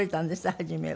初めは。